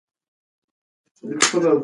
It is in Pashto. که موږ یو ځای شو، هیڅوک مو نه شي ماتولی.